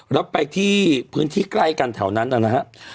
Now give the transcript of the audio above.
แล้วไปที่พื้นที่ใกล้กันแถวนั้นนะครับ